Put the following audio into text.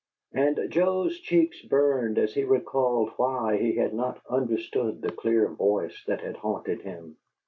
And Joe's cheeks burned, as he recalled why he had not understood the clear voice that had haunted him.